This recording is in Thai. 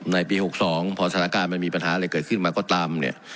ในปี๖๒พอสถานการณ์มันมีปัญหาอะไรเกิดขึ้นมาก็ตามเนี่ย